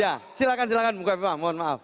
ya silahkan silahkan buka viva mohon maaf